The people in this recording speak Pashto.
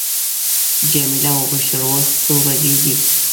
جميله وپوښتل اوس څو بجې دي.